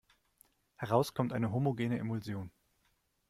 Heraus kommt eine homogene Emulsion.